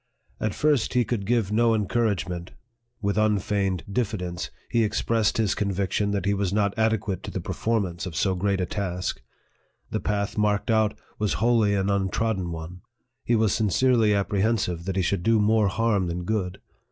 At first, he could give no encouragement ; with unfeigned diffidence, he ex pressed his conviction that he was not adequate to the performance of so great a task ; the path marked out was wholly an untrodden one ; he was sincerely ap prehensive that he should do more harm than good.